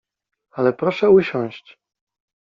Ale proszę usiąść.